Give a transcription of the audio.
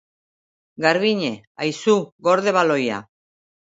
Garbiñe, aizu, gorde baloia.